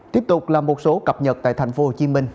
tiếp tục là một số cập nhật tại tp hcm